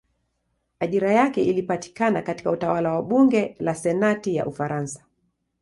Ajira yake ilipatikana katika utawala wa bunge la senati ya Ufaransa.